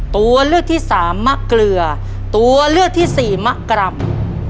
ตัวเลือกที่สามมะเกลือตัวเลือกที่สี่มะกร่ำ